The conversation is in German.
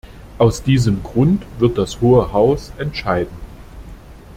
Aus diesem Grund wird das Hohe Haus entscheiden.